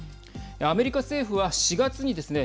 アメリカ政府は４月にですね